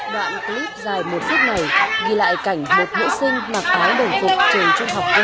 đoạn clip dài một phút này ghi lại cảnh một nữ sinh mặc áo đồng phục trường trung học cơ